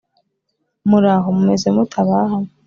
muraho mumeze mute abaha! –